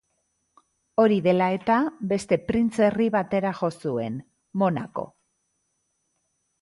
Hori dela eta beste printzerri batera jo zuen: Monako.